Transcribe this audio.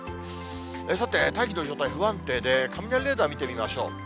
さて、大気の状態不安定で、雷レーダー見てみましょう。